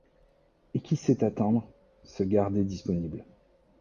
Et qui sait attendre, se garder disponible.